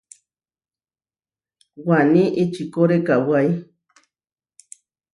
Waní čikóre kawái.